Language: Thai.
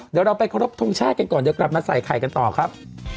เดี๋ยวเราไปขอรบทรงชาติกันก่อนเดี๋ยวกลับมาใส่ไข่กันต่อครับ